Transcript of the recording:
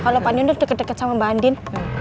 kalo pak nino udah deket deket sama mbak andin